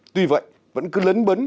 tuy vậy vẫn cứ lấn bấn